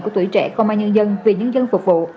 của tuổi trẻ công an nhân dân vì nhân dân phục vụ